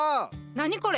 何これ？